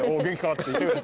って。